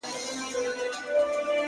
سور زېږوي راته سرور جوړ كړي’